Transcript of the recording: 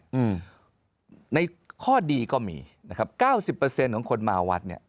อืมในข้อดีก็มีนะครับเก้าสิบเปอร์เซ็นต์ของคนมาวัดเนี้ย